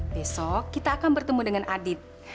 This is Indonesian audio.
besok kita akan bertemu dengan adit